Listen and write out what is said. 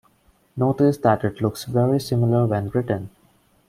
Notice that it looks very similar when written.